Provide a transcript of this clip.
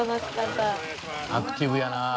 アクティブやな。